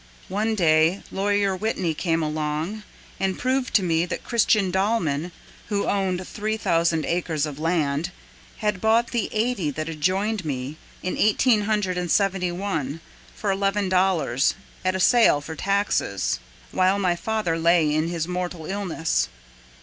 One day lawyer Whitney came along And proved to me that Christian Dallman, Who owned three thousand acres of land, Had bought the eighty that adjoined me In eighteen hundred and seventy one For eleven dollars, at a sale for taxes, While my father lay in his mortal illness.